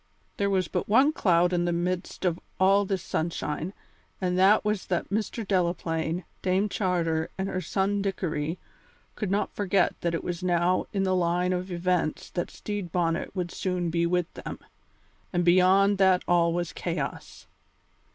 There was but one cloud in the midst of all this sunshine, and that was that Mr. Delaplaine, Dame Charter, and her son Dickory could not forget that it was now in the line of events that Stede Bonnet would soon be with them, and beyond that all was chaos.